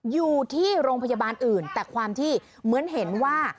อยู่ที่โรงพยาบาลอื่นแต่ความที่เหมือนเห็นว่า